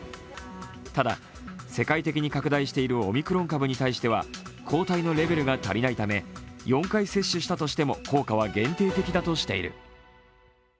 ただ、世界的に拡大しているオミクロン株に対しては抗体のレベルが足りないため４回接種したとしても効果は限定的だとしている。